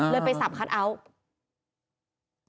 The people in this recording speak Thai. ไปสับคัทเอาท์